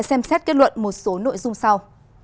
xem xét kết luận một số nội dung sau